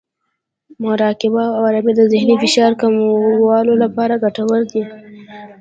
مراقبه او ارامۍ د ذهن د فشار کمولو لپاره ګټورې دي.